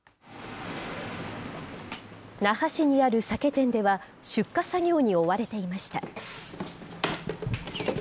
那覇市にある酒店では、出荷作業に追われていました。